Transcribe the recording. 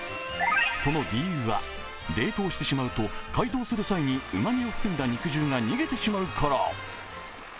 その理由は、冷凍してしまうと解凍する際にうまみを含んだ肉汁が逃げてしまうから。